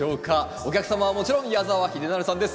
お客様はもちろん矢澤秀成さんです。